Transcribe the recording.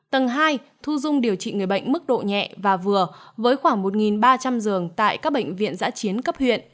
tầng hai thu dung điều trị người bệnh mức độ nhẹ và vừa với khoảng một ba trăm linh giường tại các bệnh viện giã chiến cấp huyện